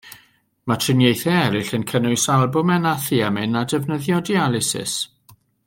Mae triniaethau eraill yn cynnwys albwmen a thiamin, a defnyddio dialysis.